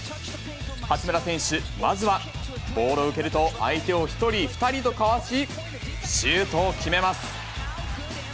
八村選手、まずはボールを受けると、相手を１人、２人とかわし、シュートを決めます。